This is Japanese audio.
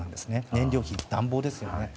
燃料費、暖房ですよね。